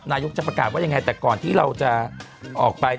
นายกจะประกาศว่ายังไงแต่ก่อนที่เราจะออกไป